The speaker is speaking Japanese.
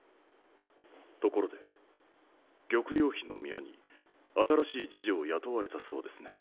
ところで玉葉妃の宮に新しい侍女を雇われたそうですね。